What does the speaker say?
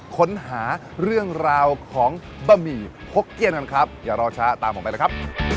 ค้นหาเรื่องราวของบะหมี่พกเกี้ยนกันครับอย่ารอช้าตามผมไปเลยครับ